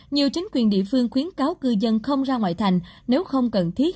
nhiều chính quyền địa phương khuyến cáo cư dân không ra ngoại thành nếu không cần thiết